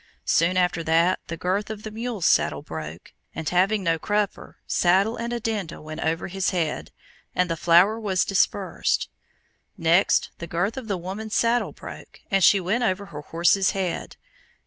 Soon after that the girth of the mule's saddle broke, and having no crupper, saddle and addenda went over his head, and the flour was dispersed. Next the girth of the woman's saddle broke, and she went over her horse's head.